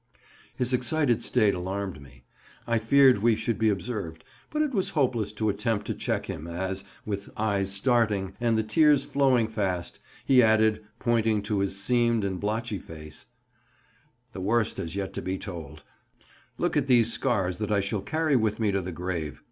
'" His excited state alarmed me. I feared we should be observed, but it was hopeless to attempt to check him as, with eyes starting, and the tears flowing fast, he added, pointing to his seamed and blotchy face: "The worst has yet to be told; look at these scars that I shall carry with me to the grave.